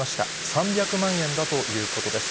３００万円だということです。